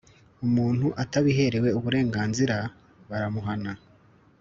umuntu atabiherewe uburenganzira baramuhana